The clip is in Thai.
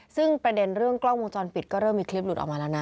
ซึ่งประเด็นเรื่องกล้องวงจรปิดก็เริ่มมีคลิปหลุดออกมาแล้วนะ